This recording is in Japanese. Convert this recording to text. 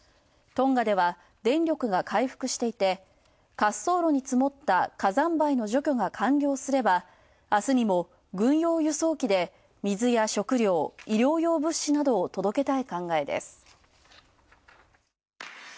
トンガでは電力が回復していて、滑走路につもった火山灰の除去が完了すれば、あすにも軍用輸送機で水や食料、医療用物資などを届けたい考えです。